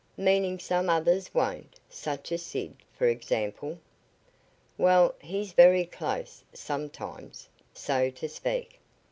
"Meaning some others won't such as Sid, for example?" "Well, he's very `close' sometimes, so to speak.